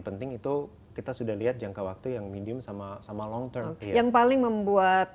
penting itu kita sudah lihat jangka waktu yang medium sama sama long term yang paling membuat